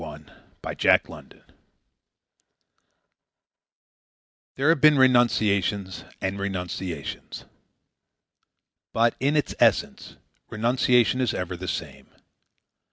THE STORY OF JEES' UCK There have been renunciations and renunciations. But, in its essence, renunciation is ever the same.